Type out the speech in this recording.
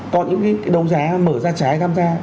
còn những cái đấu giá mở ra trái tham gia